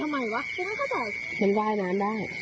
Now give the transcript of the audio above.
มันว่ายน้ำเป็นเว่ยเก่งด้วย